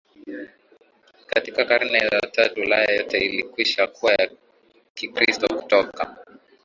Katika Karne za Kati Ulaya yote ilikwisha kuwa ya Kikristo Kutoka